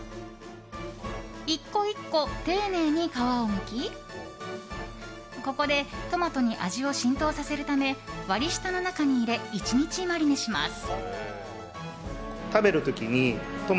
１個１個、丁寧に皮をむきここでトマトに味を浸透させるため割り下の中に入れ１日マリネします。